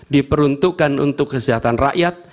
diperuntukkan untuk kesejahteraan rakyat